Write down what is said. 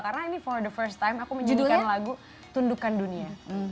karena ini for the first time aku menjadikan lagu tundukan dunia